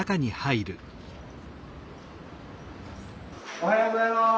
おはようございます。